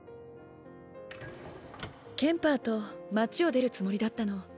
ケンパーと街を出るつもりだったの。